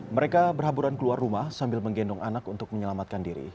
mereka berhaburan keluar rumah sambil menggendong anak untuk menyelamatkan diri